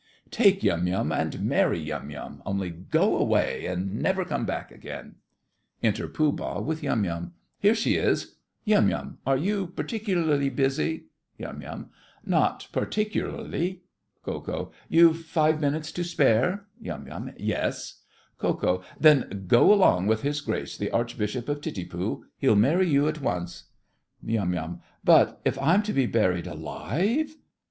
Take Yum Yum and marry Yum Yum, only go away and never come back again. (Enter Pooh Bah with Yum Yum.) Here she is. Yum Yum, are you particularly busy? YUM. Not particularly. KO. You've five minutes to spare? YUM. Yes. KO. Then go along with his Grace the Archbishop of Titipu; he'll marry you at once. YUM. But if I'm to be buried alive?